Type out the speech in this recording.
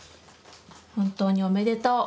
本当におめでとう」。